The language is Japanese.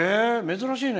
珍しいね！